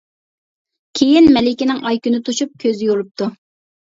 كېيىن مەلىكىنىڭ ئاي-كۈنى توشۇپ كۆز يورۇپتۇ.